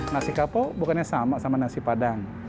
nasi kapau bukannya sama sama nasi padang